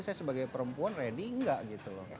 saya sebagai perempuan ready nggak gitu loh